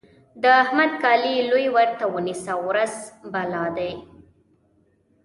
د احمد کالي لوی ورته ونيسه؛ ورځ بالا دی.